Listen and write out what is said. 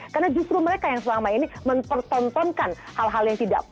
karena justru mereka yang selama ini mempertontonkan hal hal yang terjadi di dunia ini